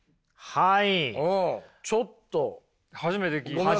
はい。